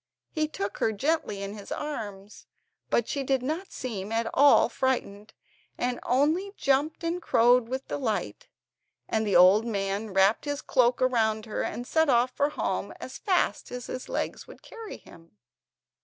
He took her gently in his arms, but she did not seem at all frightened, and only jumped and crowed with delight; and the old man wrapped his cloak round her, and set off for home as fast as his legs would carry him.